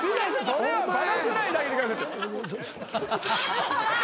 それはバラさないであげてください。